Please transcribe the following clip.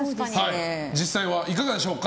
実際はいかがでしょうか。